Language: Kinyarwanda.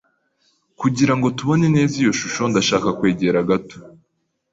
Kugirango tubone neza iyo shusho, ndashaka kwegera gato.